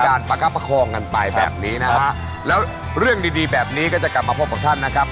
ประคับประคองกันไปแบบนี้นะฮะแล้วเรื่องดีดีแบบนี้ก็จะกลับมาพบกับท่านนะครับ